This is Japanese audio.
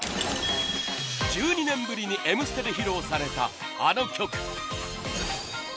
１２年ぶりに『Ｍステ』で披露されたあの曲。